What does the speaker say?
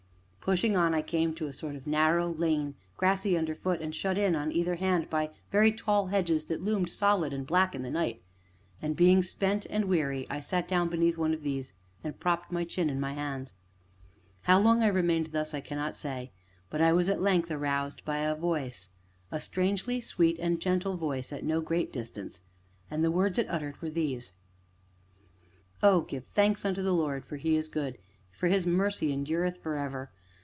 Pushing on, I came into a sort of narrow lane, grassy underfoot and shut in on either hand by very tall hedges that loomed solid and black in the night; and, being spent and weary, I sat down beneath one of these and propped my chin in my hands. How long I remained thus I cannot say, but I was at length aroused by a voice a strangely sweet and gentle voice at no great distance, and the words it uttered were these: "Oh! give thanks unto the Lord, for He is good, for His mercy endureth forever!